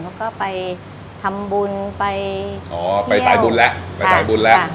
เขาก็ไปทำบุญไปอ๋อไปสายบุญแล้วไปสายบุญแล้ว